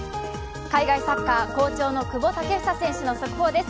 海外サッカー、好調の久保建英選手の側方です